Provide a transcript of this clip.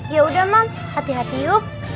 yaudah mam hati hati yuk